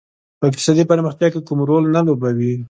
په اقتصادي پرمختیا کې کوم رول نه لوبوي.